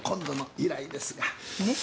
ねっ。